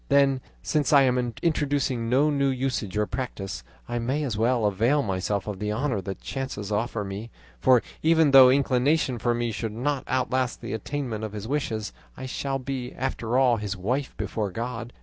Then, since I am introducing no new usage or practice, I may as well avail myself of the honour that chance offers me, for even though his inclination for me should not outlast the attainment of his wishes, I shall be, after all, his wife before God.